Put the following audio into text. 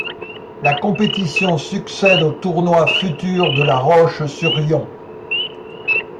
La compétition succède au tournoi Futures de La Roche-sur-Yon.